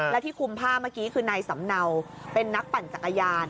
และที่คุมผ้าเมื่อกี้คือนายสำเนาเป็นนักปั่นจักรยาน